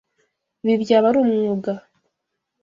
Ibi byaba ari umwuga.